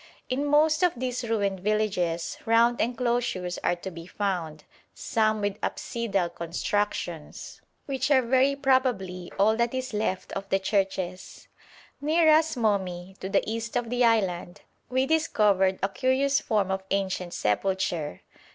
In most of these ruined villages round enclosures are to be found, some with apsidal constructions, which are very probably all that is left of the churches. Near Ras Momi, to the east of the island, we discovered a curious form of ancient sepulture.